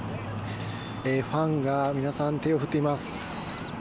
ファンが皆さん、手を振っています。